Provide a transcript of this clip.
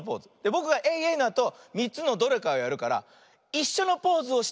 ぼくがエイエイのあと３つのどれかをやるからいっしょのポーズをしたらかち。